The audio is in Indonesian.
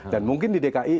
dan mungkin di dki